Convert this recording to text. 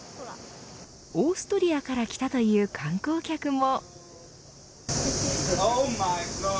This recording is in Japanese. オーストリアから来たという観光客も。